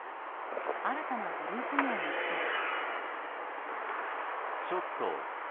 新たなグループ名について。